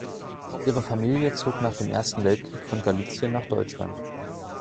Ihre Familie zog nach dem Ersten Weltkrieg von Galizien nach Deutschland.